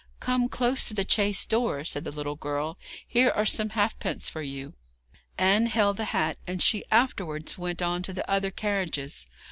'Come close to the chaise door,' said the little girl; 'here are some halfpence for you.' Anne held the hat, and she afterwards went on to the other carriages.